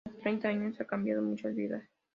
Durante treinta años ha cambiado muchas vidas.